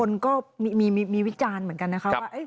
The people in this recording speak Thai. คนก็มีวิจารณ์เหมือนกันนะคะว่า